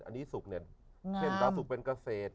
อันนี้ศุกร์เนี่ยเพราะดาวศุกร์เป็นเกษตร